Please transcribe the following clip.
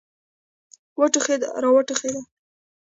وټوخېده را وټوخېده.